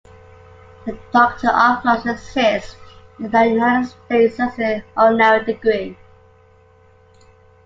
The Doctor of Laws exists in the United States as an honorary degree.